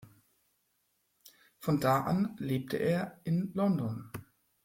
Von da an lebte er in London.